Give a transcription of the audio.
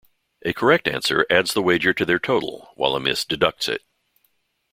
A correct answer adds the wager to their total, while a miss deducts it.